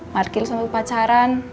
markir sampai pacaran